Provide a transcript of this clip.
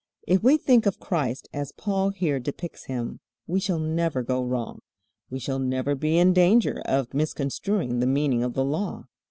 If we think of Christ as Paul here depicts Him, we shall never go wrong. We shall never be in danger of misconstruing the meaning of the Law.